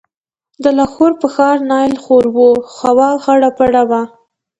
د لاهور پر ښار نایل خور و، هوا خړه پړه وه.